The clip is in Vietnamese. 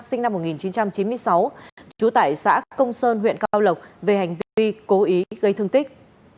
sinh năm một nghìn chín trăm chín mươi sáu trú tại xã công sơn huyện cao lộc về hành vi cố ý gây thương tích